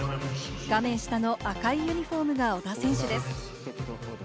画面下の赤いユニホームが小田選手です。